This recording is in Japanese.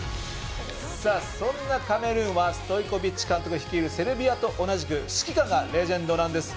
そんなカメルーンはストイコヴィッチ監督率いるセルビアと同じく指揮官がレジェンドなんです。